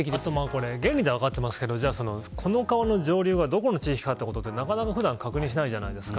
これ原理では分かってますけどこの川の上流がどこの地域かってなかなか普段確認しないじゃないですか。